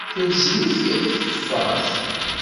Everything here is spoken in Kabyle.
Telzem-ik tkeffart.